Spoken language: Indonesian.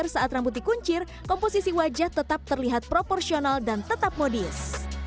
saat rambut dikuncir komposisi wajah tetap terlihat proporsional dan tetap modis